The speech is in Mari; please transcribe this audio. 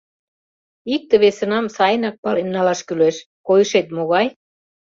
Икте-весынам сайынак пален налаш кӱлеш: койышет могай?